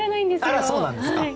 あらそうなんですか。